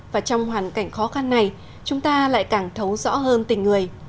và trong hoàn cảnh khó khăn này chúng ta lại càng thấu rõ hơn tình người